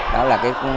đó là cái